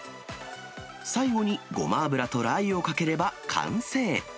最後にごま油とラー油をかければ完成。